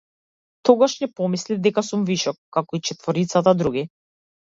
Тогаш не помислив дека сум вишок, како и четворицата други.